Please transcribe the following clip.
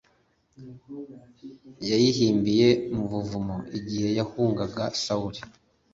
yayihimbiye mu buvumo, igihe yahungaga sawuli